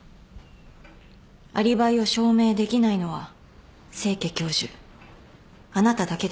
アリバイを証明できないのは清家教授あなただけです。